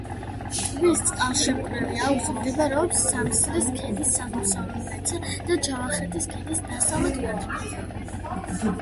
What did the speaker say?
ტბის წყალშემკრები აუზი მდებარეობს სამსრის ქედის აღმოსავლეთ და ჯავახეთის ქედის დასავლეთ ფერდობებზე.